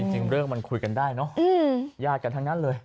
จริงเรื่องมันคุยกันได้เนอะญาติกันทั้งนั้นเลย